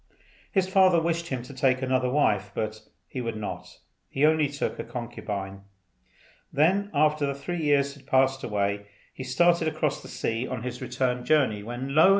His father wished him to take another wife, but he would not. He only took a concubine. Then, after the three years had passed away, he started across the sea on his return journey, when lo!